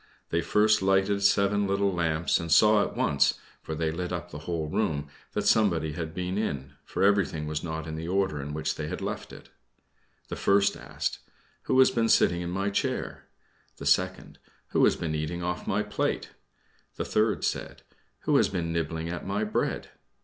They first lighted seven little lamps, and saw at once for they lit up the whole room that somebody had been in, for everything was not in the order in which they had left it. The first asked, "Who has been sitting on my chair?" The second, "Who has been eating off my plate?" The third said, "Who has been nibbling at my bread?"